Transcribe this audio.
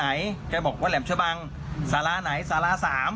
ป่าวอะไรนะแกบอกวัดแหล่มเช้าบ้างสาระไหนสาระ๓